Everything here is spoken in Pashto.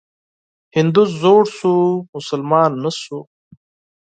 هندو زوړ شو مسلمان نه شو.